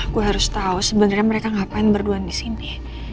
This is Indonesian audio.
gue harus tau sebenernya mereka ngapain berduan disini